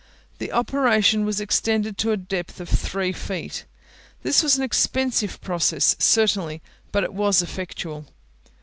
The operation was extended to a depth of three feet. This was an expensive process, certainly; but it was effectual.